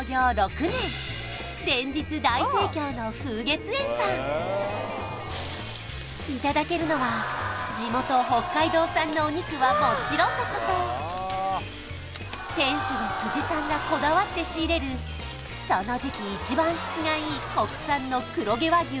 楓月縁さんいただけるのは地元北海道産のお肉はもちろんのこと店主の辻さんがこだわって仕入れるその時期一番質がいい国産の黒毛和牛